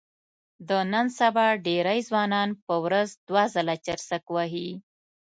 د نن سبا ډېری ځوانان په ورځ دوه ځله چرسک وهي.